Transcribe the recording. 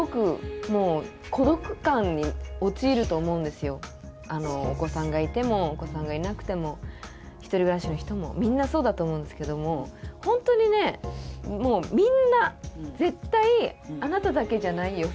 でもやっぱりお子さんがいてもお子さんがいなくても１人暮らしの人もみんなそうだと思うんですけどもほんとにねもうみんな絶対あなただけじゃないよ